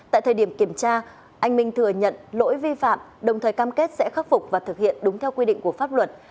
tại thời điểm kiểm tra anh minh thừa nhận lỗi vi phạm đồng thời cam kết sẽ khắc phục và thực hiện đúng theo quy định của pháp luật